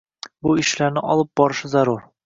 Shu ishlarni olib borishi zarur